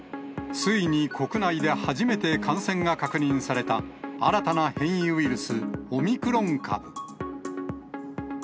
ついに国内で初めて感染が確認された、新たな変異ウイルス、オミクロン株。